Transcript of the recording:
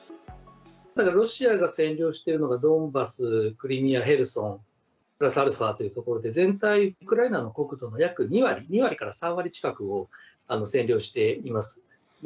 ロシアが占領しているのが、ドンバス、クリミア、ヘルソンプラスアルファというところで、全体、ウクライナの国土の約２割、２割から３割近くを占領しています。